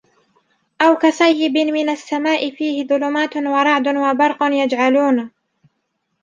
أَوْ كَصَيِّبٍ مِنَ السَّمَاءِ فِيهِ ظُلُمَاتٌ وَرَعْدٌ وَبَرْقٌ يَجْعَلُونَ